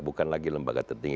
bukan lagi lembaga tertinggi